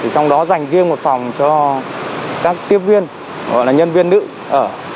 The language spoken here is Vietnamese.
trong đó dành riêng một phòng cho các tiếp viên gọi là nhân viên nữ ở